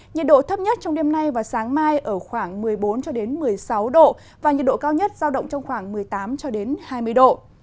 nhiệt độ thấp nhất trong đêm nay và sáng mai ở khoảng một mươi bốn một mươi sáu độ và nhiệt độ cao nhất giao động trong khoảng một mươi tám hai mươi độ